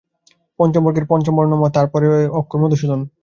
পঞ্চম বর্গের পঞ্চম বর্ণ ম, তার পরে পঞ্চ অক্ষর ম-ধু-সূ-দ-ন।